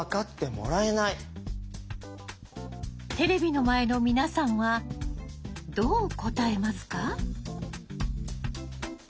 テレビの前の皆さんはどう答えますか？